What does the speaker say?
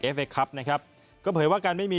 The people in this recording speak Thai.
เอครับนะครับก็เผยว่าการไม่มี